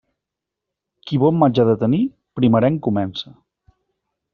Qui bon maig ha de tenir, primerenc comença.